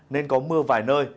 nên có mưa vài nơi